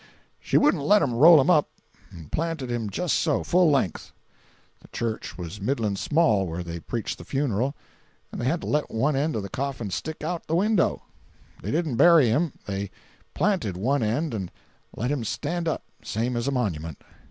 'She wouldn't let them roll him up, but planted him just so—full length. The church was middling small where they preached the funeral, and they had to let one end of the coffin stick out of the window. They didn't bury him—they planted one end, and let him stand up, same as a monument.